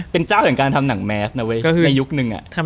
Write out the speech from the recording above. เป็นเจ้าแห่งการทำหนังแมสนะเว้ยก็คือในยุคนึง